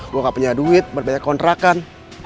gue gak punya duit berbanyak kontrakan